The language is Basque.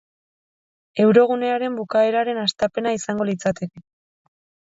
Eurogunearen bukaeraren hastapena izango litzateke.